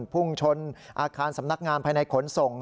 พุ่งชนอาคารสำนักงานภายในขนส่ง